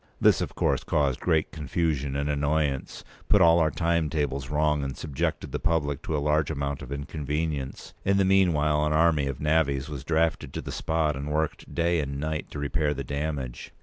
This, of course, caused great confusion and annoyance, put all our time tables wrong, and subjected the public to a large amount of inconvenience. In the meanwhile an army of navvies was drafted to the spot, and worked day and night to repair the damage.